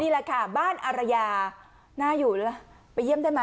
นี่แหละค่ะบ้านอรรยาน่าอยู่หรอไปเยี่ยมได้มั้ย